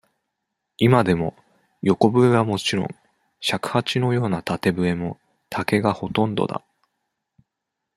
今でも、横笛はもちろん、尺八のような縦笛も、竹がほとんどだ。